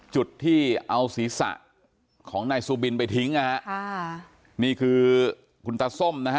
จุดที่เอาศีรษะของนายซูบินไปทิ้งนะฮะค่ะนี่คือคุณตาส้มนะฮะ